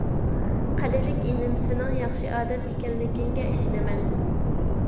قەدىرلىك ئىنىم، سېنىڭ ياخشى ئادەم ئىكەنلىكىڭگە ئىشىنىمەن.